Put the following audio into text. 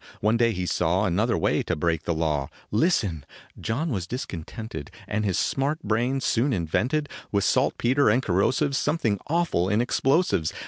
One day he saw Another way to break the law, Listen ! John was discontented, And his smart brain soon invented With saltpeter and corrosives Something awful in explosives.